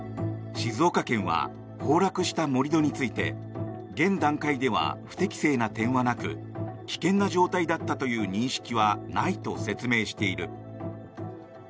静岡県は崩落した盛り土について現段階では不適正な点はなく危険な状態だったという認識はないと説明している。